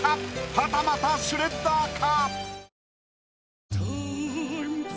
はたまたシュレッダーか？